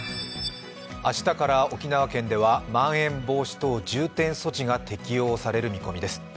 明日から沖縄県ではまん延防止等重点措置が適用される見込みです。